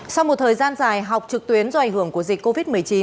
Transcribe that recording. sau một thời gian dài học trực tuyến do ảnh hưởng của dịch covid một mươi chín